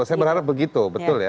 saya berharap begitu